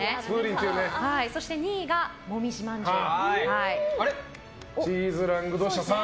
そして、２位がもみじまんじゅう。